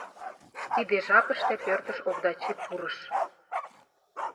Тиде жапыште пӧртыш Овдачи пурыш.